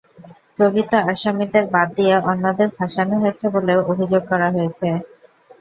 প্রকৃত আসামিদের বাদ দিয়ে অন্যদের ফাঁসানো হয়েছে বলেও অভিযোগ করা হয়েছে।